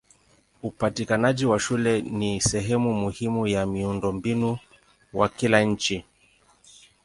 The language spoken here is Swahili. Upatikanaji wa shule ni sehemu muhimu ya miundombinu wa kila nchi.